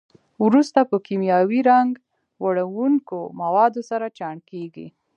وروسته په کیمیاوي رنګ وړونکو موادو سره چاڼ کېږي.